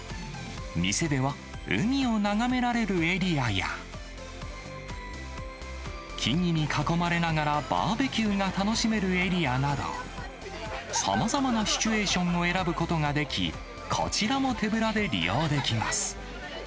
店では、海を眺められるエリアや、木々に囲まれながらバーベキューが楽しめるエリアなど、さまざまなシチュエーションを選ぶことができ、こちらも手ぶらで利用できます。